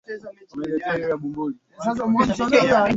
unaweza uka una una unafahamu kwamba ndiyo